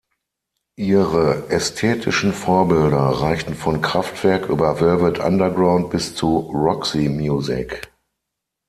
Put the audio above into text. Ihre ästhetischen Vorbilder reichten von Kraftwerk über Velvet Underground bis zu Roxy Music.